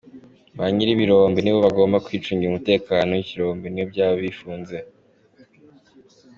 Ba nyir’ibirombe ni bo bagomba kwicungira umutekanow’ibirombe n’iyo byaba bifunze.